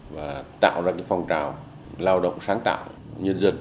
và tạo ra cái phong trào lao động sáng tạo nhân dân